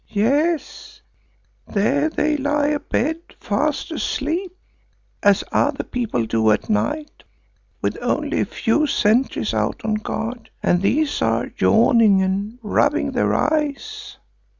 Yes, there they lie abed, fast asleep, as other people do at night, with only a few sentries out on guard, and these are yawning and rubbing their eyes."